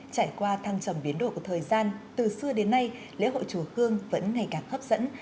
trải qua thăng trầm biến đổi của thời gian từ xưa đến nay lễ hội chùa hương vẫn ngày càng hấp dẫn